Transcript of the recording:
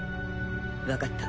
分かった。